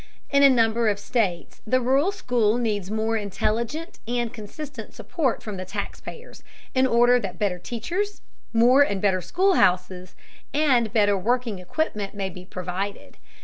In a number of states the rural school needs a more intelligent and consistent support from the taxpayers, in order that better teachers, more and better schoolhouses, and better working equipment may be provided.